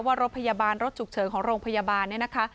รถพยาบาลรถฉุกเฉินของโรงพยาบาลเนี่ยนะคะ